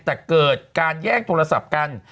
แต่เกิดการแย่งโทรศัพท์กัน